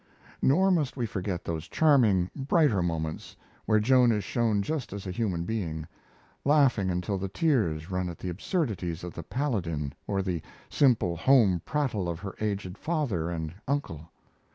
Nor must we forget those charming, brighter moments where Joan is shown just as a human being, laughing until the tears run at the absurdities of the paladin or the simple home prattle of her aged father and uncle.